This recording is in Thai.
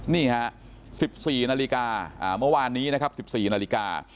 นี่ฮะ๑๔นาฬิกาเมื่อวานนี้นะครับ๑๔นาฬิกา